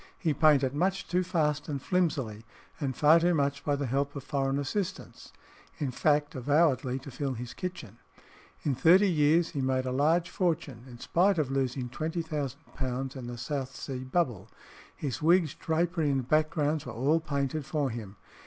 He painted much too fast and flimsily, and far too much by the help of foreign assistants in fact, avowedly to fill his kitchen. In thirty years he made a large fortune, in spite of losing £20,000 in the South Sea Bubble. His wigs, drapery, and backgrounds were all painted for him.